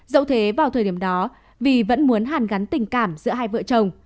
dẫu thế vào thời điểm đó vì vẫn muốn hàn gắn tình cảm giữa hai vợ chồng